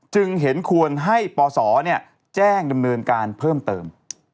จึงเห็นควรให้ปศแจ้งดำเนินการเพิ่มเติม